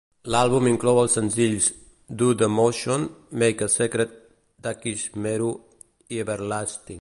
L'àlbum inclou els senzills Do the Motion, Make a Secret, Dakishimeru i Everlasting.